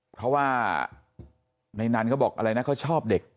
เพราะว่าในนั้นเขาบอกอะไรนะเขาชอบเด็ก